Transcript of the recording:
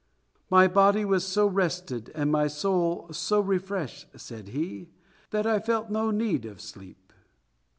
"My body was so rested and my soul so refreshed," said he, "that I felt no need of sleep."